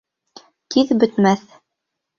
Тиҙ бөтмәҫ.